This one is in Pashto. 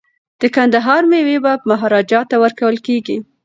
د کندهار میوې به مهاراجا ته ورکول کیږي.